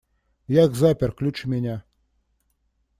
Я их запер, ключ у меня.